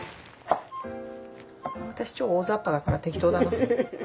私超大ざっぱだから適当だな。